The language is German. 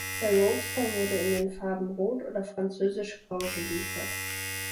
Der Roadster wurde in den Farben rot oder französisch-grau geliefert.